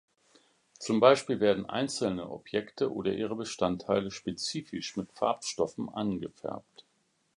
Zum Beispiel werden einzelne Objekte oder ihre Bestandteile spezifisch mit Farbstoffen angefärbt.